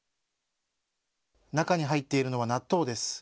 中に入っているのは納豆です。